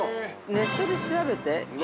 ◆ネットで調べて。